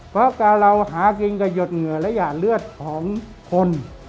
เพราะเราหากินกับหยดเหงื่อและหย่าเลือดของคน